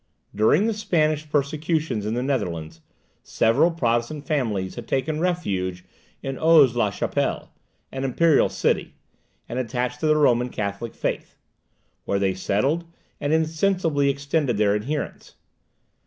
During the Spanish persecutions in the Netherlands, several Protestant families had taken refuge in Aix la Chapelle, an imperial city, and attached to the Roman Catholic faith, where they settled and insensibly extended their adherents.